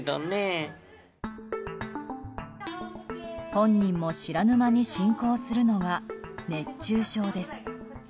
本人も知らぬ間に進行するのが熱中症です。